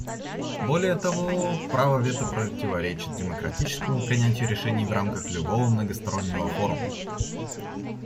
Более того, право вето противоречит демократическому принятию решений в рамках любого многостороннего форума.